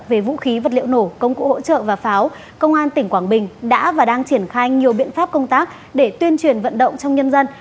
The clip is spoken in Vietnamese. về vũ khí vật liệu nổ công cụ hỗ trợ và pháo công an tỉnh quảng bình đã và đang triển khai nhiều biện pháp công tác để tuyên truyền vận động trong nhân dân